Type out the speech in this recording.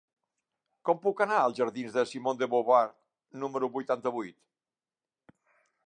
Com puc anar als jardins de Simone de Beauvoir número vuitanta-vuit?